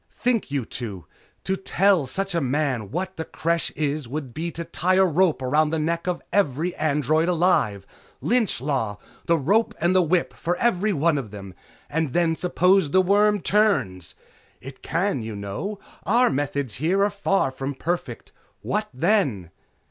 Think, you two! To tell such a man what the Creche is would be to tie a rope around the neck of every android alive. Lynch law! The rope and the whip for every one of them. And then suppose the worm turns? It can, you know! Our methods here are far from perfect. What then?"